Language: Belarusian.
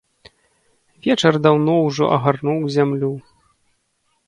Вечар даўно ўжо агарнуў зямлю.